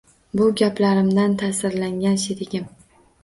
Bu gaplarimdan ta’sirlangan sherigim